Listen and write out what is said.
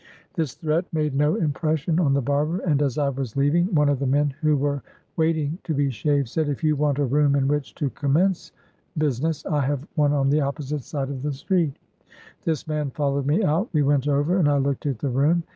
This threat made no impression on the barber, and as I was leaving, one of the men who were waiting to be shaved said, ' If you want a room in which to commence business, I have one on the opposite side of AN AMERICAN BONDMAN. 47 the street.' This man followed me out. we went over, and I looked at the room.